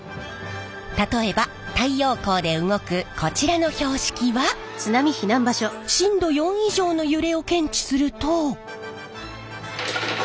例えば太陽光で動くこちらの標識は震度４以上の揺れを検知すると。